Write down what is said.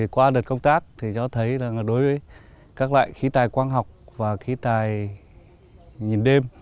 qua đợt công tác thì cho thấy đối với các loại khí tài quang học và khí tài nhìn đêm